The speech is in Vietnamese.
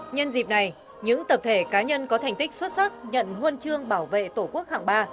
nhân dịp này những tập thể cá nhân có thành tích xuất sắc nhận huân chương bảo vệ tổ quốc hạng ba